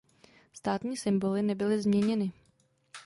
Státní symboly nebyly změněny.